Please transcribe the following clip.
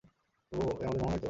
প্রভু, এ আমার মোহ নয় তো?